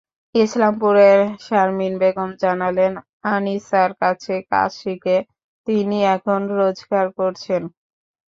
ইসলামপুরের শারমিন বেগম জানালেন, আনিছার কাছে কাজ শিখে তিনি এখন রোজগার করছেন।